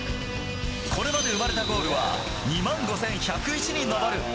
これまで生まれたゴールは２万５１０１に上る。